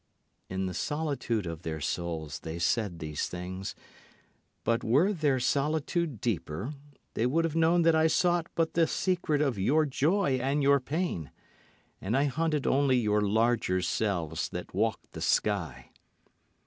In the solitude of their souls they said these things; But were their solitude deeper they would have known that I sought but the secret of your joy and your pain, And I hunted only your larger selves that walk the sky.